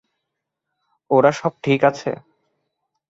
ওরা সব ঠিক আছে।